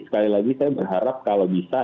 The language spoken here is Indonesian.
sekali lagi saya berharap kalau bisa